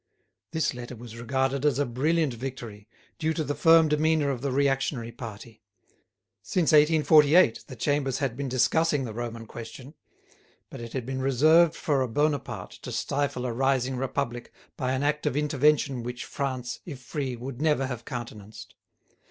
This letter was regarded as a brilliant victory, due to the firm demeanour of the reactionary party. Since 1848 the Chambers had been discussing the Roman question; but it had been reserved for a Bonaparte to stifle a rising Republic by an act of intervention which France, if free, would never have countenanced.